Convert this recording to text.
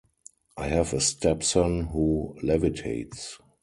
I have a stepson who levitates.